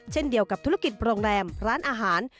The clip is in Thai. เช่นเดียวกับธุรกิจโรงแรมร้านอาหาร